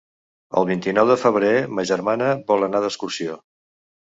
El vint-i-nou de febrer ma germana vol anar d'excursió.